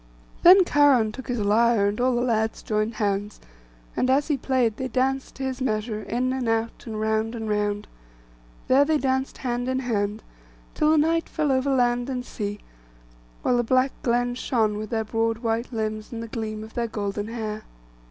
Then Cheiron took his lyre, and all the lads joined hands; and as be played, they danced to his measure, in and out, and round and round. There they danced hand in hand, till the night fell over land and sea, while the black glen shone with their broad white limbs and the gleam of their golden hair.